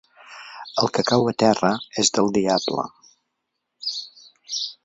El que cau a terra és del diable.